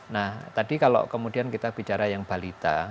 nah tadi kalau kemudian kita bicara yang balita